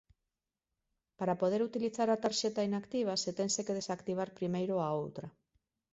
Para poder utilizar a tarxeta inactiva se tense que desactivar primeiro a outra.